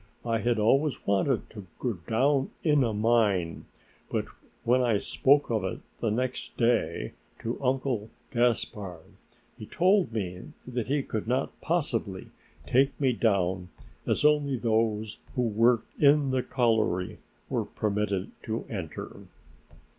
I had always wanted to go down in a mine, but when I spoke of it the next day to Uncle Gaspard he told me that he could not possibly take me down as only those who worked in the colliery were permitted to enter.